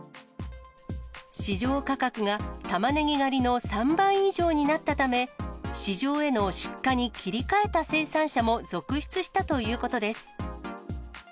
市場価格がたまねぎ狩りの３倍以上になったため、市場への出荷に切り替えた生産者も続出したということです。